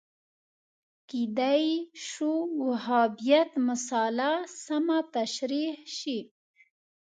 کېدای شو وهابیت مسأله سمه تشریح شي